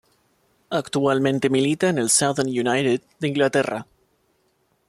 Actualmente milita en el Southend United de Inglaterra.